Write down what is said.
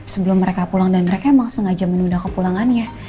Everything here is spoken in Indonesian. sebelum mereka pulang dan mereka emang sengaja menunda kepulangannya